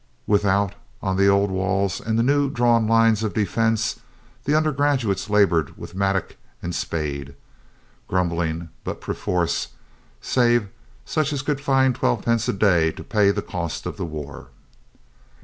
Without, on the old walls and the new drawn lines of defense, the under graduates labored with mattock and spade, grum bling but perforce, save such as could find twelve pence a day to pay the cost of the war.